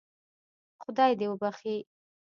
خدای دې وبخشي.